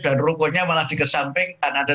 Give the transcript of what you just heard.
dan rukunnya malah dikesamping karena ada